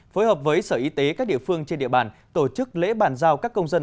phối hợp với sở y tế các địa phương trên địa bàn tổ chức lễ bàn giao các công dân